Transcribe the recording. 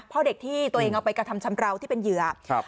พ่อเด็กที่ตัวเองเอาไปกระทำชำราวที่เป็นเหยื่อครับ